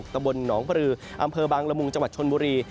ตำบลหนองปลืออำเภอบางละมุงจังหวัดชนบุรี